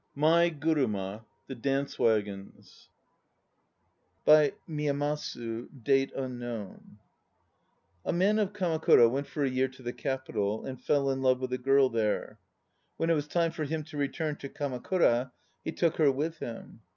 MAI GURUMA 1 (THE DANCE WAGGONS) By MI YAM A SU (DATE UNKNOWN) A MAN of Kamakura went for a year to the Capital and fell in love with a girl there. When it was time for him to return to Kamakura he took her with him.